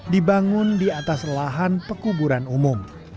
dibangun di atas lahan pekuburan umum